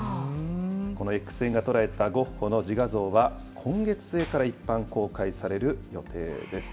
このＸ線が捉えたゴッホの自画像は、今月末から一般公開される予定です。